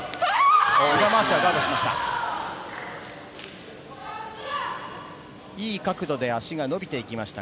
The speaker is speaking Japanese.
裏回しはガードしました。